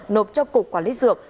nộp cho cục quản lý dược